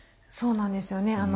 そうなんですよね。